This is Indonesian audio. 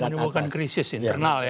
menimbulkan krisis internal ya